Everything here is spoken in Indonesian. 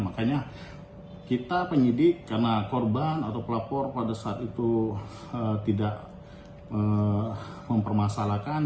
makanya kita penyidik karena korban atau pelapor pada saat itu tidak mempermasalahkan